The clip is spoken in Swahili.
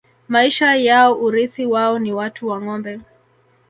Maisha yao Urithi wao ni watu na Ngombe